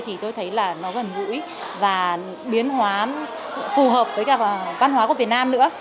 thì tôi thấy là nó gần gũi và biến hóa phù hợp với cả văn hóa của việt nam nữa